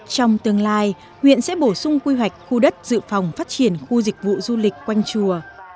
trong tương lai huyện sẽ bổ sung quy hoạch khu đất dự phòng phát triển khu dịch vụ du lịch quanh chùa